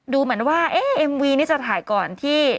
ดูเหมือนว่าเอ๊ะเอ็มวีนี่จะถ่ายก่อนที่